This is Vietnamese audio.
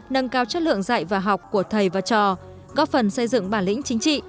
nâng cao chất lượng dạy và học của thầy và trò góp phần xây dựng bản lĩnh chính trị